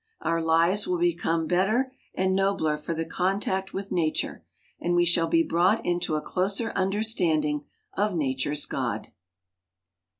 Our lives will become better and nobler for the contact with nature, and we shall be brought into a closer understanding of nature's God.